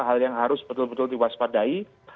hal yang harus betul betul diwaspadai